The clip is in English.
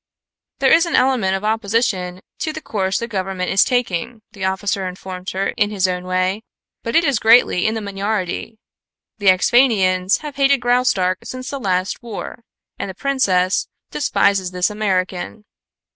"There is an element of opposition to the course the government is taking," the officer informed her in his own way, "but it is greatly in the minority. The Axphainians have hated Graustark since the last war, and the princess despises this American.